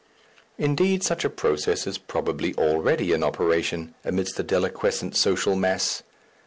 Indeed, such a process is probably already in operation, amidst the deliquescent social mass.